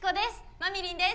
まみりんです。